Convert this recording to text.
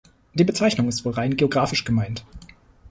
Die Bezeichnung ist wohl rein geografisch gemeint.